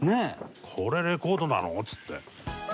これ、レコードなの？っつって。